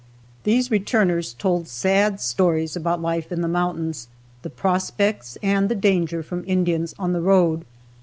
These returners told sad stories about life in the mountains, the prospects and the danger from Indians on the road.